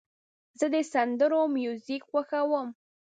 زه د سندرو میوزیک خوښوم.